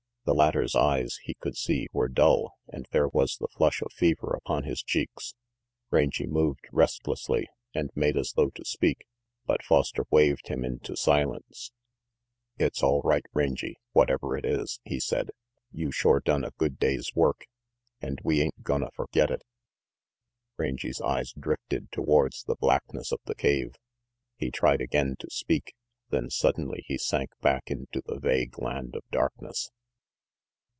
The latter's eyes, he could see, were dull, and there was the flush of fever upon his cheeks. Rangy moved restlessly, and made as though to speak, but Foster waved him into silence. RANGY PETE "It's all right, Rangy, whatever it is," he said. "You shore done a good day's work, and we ain't gonna forget it." Rangy's eyes drifted towards the blackness of the cave; he tried again to speak, then suddenly he sank back into the vague land of darkness.